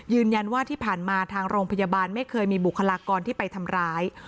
ยืนยันว่าที่ผ่านมาทางโรงพยาบาลไม่เคยมีบุคลากรที่ไปทำร้าย